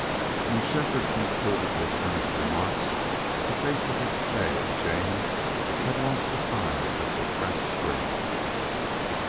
When Shefford concluded his earnest remarks the faces of Fay and Jane had lost the signs of suppressed dread.